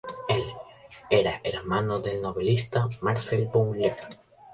Era hermano del novelista Marcel Boulenger.